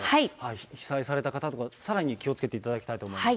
被災された方とかさらに気をつけていただきたいと思います。